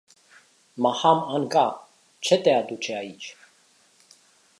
Maham Anga, ce te aduce aici?